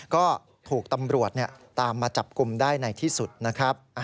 ก็ถูกตำรวจตามมาจับกลุ่มได้ในที่สุดนะครับ